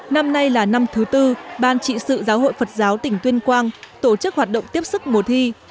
năm nay là năm thứ tư ban trị sự giáo hội phật giáo tỉnh tuyên quang tổ chức hoạt động tiếp sức mùa thi